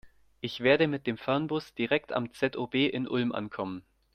Ich werde mit dem Fernbus direkt am ZOB in Ulm ankommen.